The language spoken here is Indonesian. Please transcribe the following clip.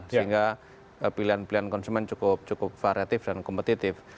sehingga pilihan pilihan konsumen cukup variatif dan kompetitif